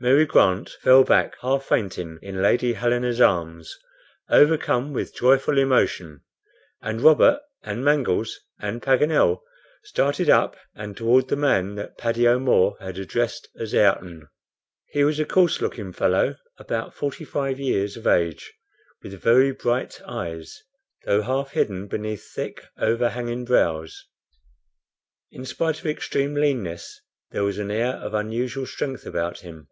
Mary Grant fell back, half fainting, in Lady Helena's arms, overcome by joyful emotion, and Robert, and Mangles, and Paganel started up and toward the man that Paddy O'Moore had addressed as AYRTON. He was a coarse looking fellow, about forty five years of age, with very bright eyes, though half hidden beneath thick, overhanging brows. In spite of extreme leanness there was an air of unusual strength about him.